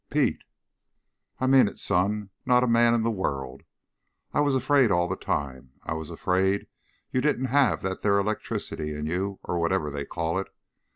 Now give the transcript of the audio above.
"Pete!" "I mean it, son. Not a man in the world. I was afraid all the time. I was afraid you didn't have that there electricity in you or whatever they call it.